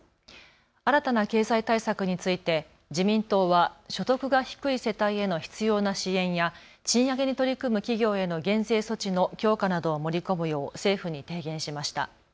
新たな経済対策について自民党は所得が低い世帯への必要な支援や賃上げに取り組む企業への減税措置の強化などを盛り込むよう政府に提言しました。